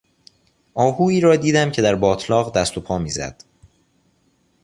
آهویی را دیدم که در باتلاق دست و پا میزد.